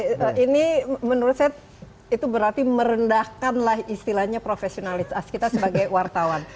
tapi ini menurut saya itu berarti merendahkanlah istilahnya profesionalitas kita sebagai wartawan